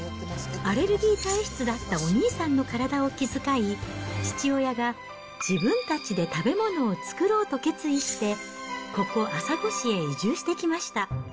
アレルギー体質だったお兄さんの体を気遣い、父親が自分たちで食べ物を作ろうと決意して、ここ、朝来市へ移住してきました。